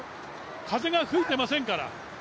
風が吹いていませんから。